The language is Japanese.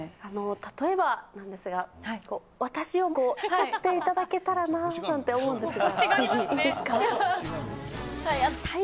例えばなんですが、こう、私を撮っていただけたらななんて思うんですが。